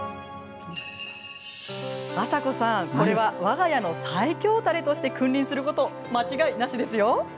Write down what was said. あさこさん、これはわが家の最強たれとして君臨すること間違いなしですよ！